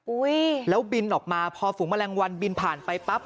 อุ้ยแล้วบินออกมาพอฝูงแมลงวันบินผ่านไปปั๊บ